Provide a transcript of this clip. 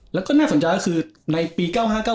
แล้วก็หน้าสนใจก็คือในปี๑๙๙๕๑๙๙๖